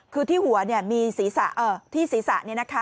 คือที่หัวนี่มีศีรษะเอ่อที่ศีรษะนี้นะคะ